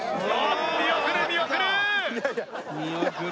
見送る見送る！